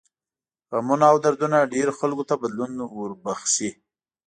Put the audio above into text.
غمونه او دردونه ډېرو خلکو ته بدلون وربښي.